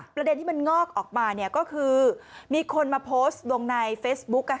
ประเด็นที่มันงอกออกมาก็คือมีคนมาโพสต์ลงในเฟซบุ๊ก